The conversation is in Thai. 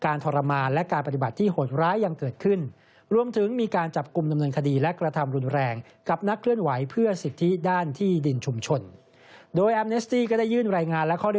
การทรมานและการปฏิบัติที่โหดร้ายยังเกิดขึ้น